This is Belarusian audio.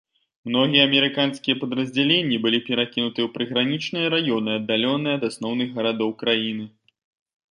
Многія амерыканскія падраздзяленні былі перакінутыя ў прыгранічныя раёны, аддаленыя ад асноўных гарадоў краіны.